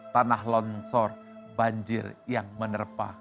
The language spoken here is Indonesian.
tanah lonsor banjir yang menerpa kita sempat